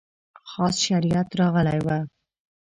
خاص شریعت راغلی و.